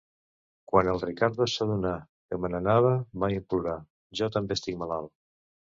Quan el Riccardo s'adonà que me n'anava va implorar, jo també estic malalt.